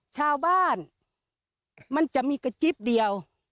ชาวบ้านมันจะมีกระจิ๊บเดียว